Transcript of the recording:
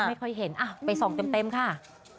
ไม่ค่อยเห็นไปส่องเต็มค่ะ